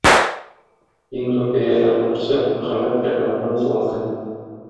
Иң зур бәйрәмнәрнең берсе - Мөхәммәд пәйгамбәрнең туган көне.